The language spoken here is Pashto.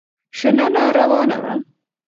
شننه روانه وه.